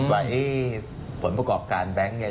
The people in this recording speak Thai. รายผลประกอบการแบงค์นี้